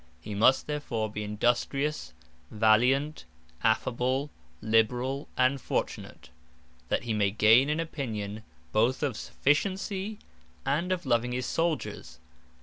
He must therefore be Industrious, Valiant, Affable, Liberall and Fortunate, that he may gain an opinion both of sufficiency, and of loving his Souldiers.